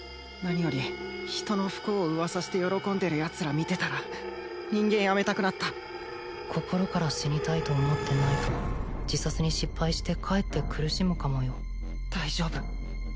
何より人の不幸を噂して喜んでるヤツら見てたら人間やめたくなった心から死にたいと思ってないと自殺に失敗してかえって苦しむかもよ大丈夫